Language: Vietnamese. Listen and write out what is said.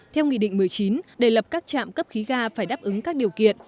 theo nghị định một mươi chín để lập các trạm cấp khí ga phải đáp ứng các điều kiện